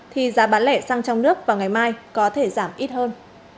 thì giá bán lẻ xăng trong nước vào ngày mai có thể giảm ít hơn